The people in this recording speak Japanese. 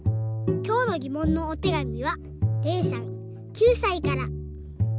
きょうのぎもんのおてがみはれいさん９さいから。